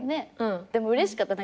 でもうれしかった。